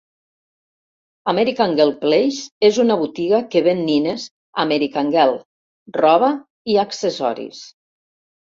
American Girl Place és una botiga que ven nines American Girl, roba i accessoris.